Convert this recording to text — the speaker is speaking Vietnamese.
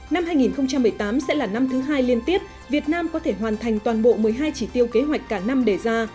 năm hai nghìn một mươi tám sẽ là năm thứ hai liên tiếp việt nam có thể hoàn thành toàn bộ một mươi hai chỉ tiêu kế hoạch cả năm đề ra